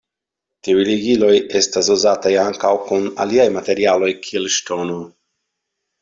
Tiuj ligiloj estas uzataj ankaŭ kun aliaj materialoj kiel ŝtono.